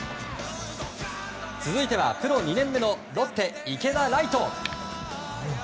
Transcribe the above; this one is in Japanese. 続いてはプロ２年目のロッテ、池田来翔。